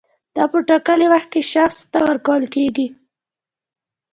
دا په ټاکلي وخت کې شخص ته ورکول کیږي.